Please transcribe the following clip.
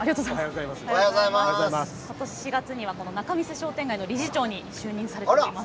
今年４月には仲見世商店街の理事長に就任されています。